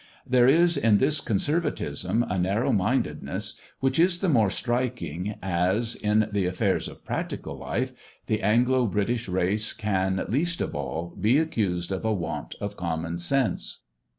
There is in this conservatism a narrow mindedness which is the more striking as, in the affairs of practical life, the Anglo British race can, least of all, be accused of a want of common sense.